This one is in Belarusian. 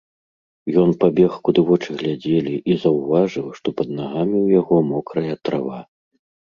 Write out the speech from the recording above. Ён пабег куды вочы глядзелі і заўважыў, што пад нагамі ў яго мокрая трава.